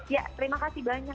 iya terima kasih banyak